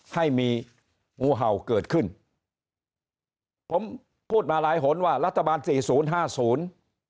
ให้มีงูเห่าเกิดขึ้นผมพูดมาหลายหนว่ารัฐบาลสี่ศูนย์ห้าศูนย์